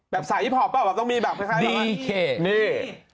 แบบสายยิพพอร์บเปล่าต้องมีแบบคล้ายดีเคนี่